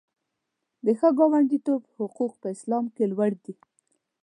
د ښه ګاونډیتوب حقوق په اسلام کې لوړ دي.